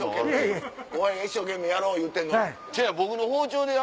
後輩が一生懸命やろう言うてんのに。